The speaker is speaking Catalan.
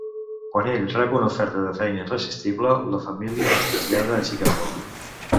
Quan ell rep una oferta de feina irresistible, la família es trasllada a Chicago.